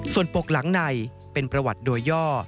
ส่วนปกหลังในเป็นประวัติโดยย่อ